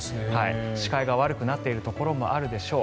視界が悪くなっているところもあるでしょう。